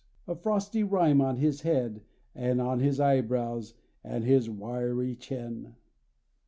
A frosty rime on his head, and on his eyebrows, and his wiry chin.